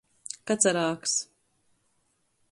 Kacarāgs.